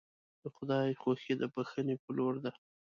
د خدای خوښي د بښنې په لور ده.